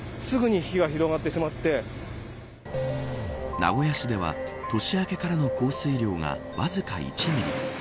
名古屋市では年明けからの降水量がわずか１ミリ。